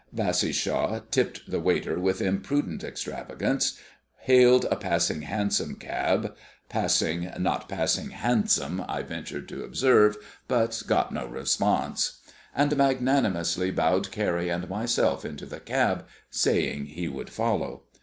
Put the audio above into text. Bassishaw tipped the waiter with imprudent extravagance, hailed a passing hansom cabby "Passing, not passing handsome," I ventured to observe, but got no response and magnanimously bowed Carrie and myself into the cab, saying he would follow.